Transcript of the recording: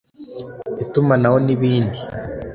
itumanaho n’ibindi